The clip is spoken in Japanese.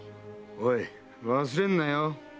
おい忘れんなよ。